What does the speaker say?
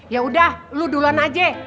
yaudah lo duluan aja